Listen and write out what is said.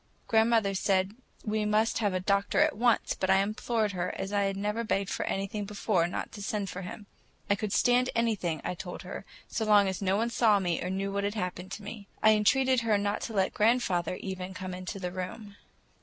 Grandmother said we must have the doctor at once, but I implored her, as I had never begged for anything before, not to send for him. I could stand anything, I told her, so long as nobody saw me or knew what had happened to me. I entreated her not to let grandfather, even, come into my room.